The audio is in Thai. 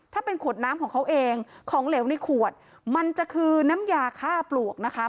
ถ้าเป็นขวดน้ำของเขาเองของเหลวในขวดมันจะคือน้ำยาฆ่าปลวกนะคะ